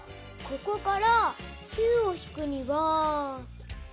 ここから９をひくには。